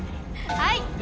はい！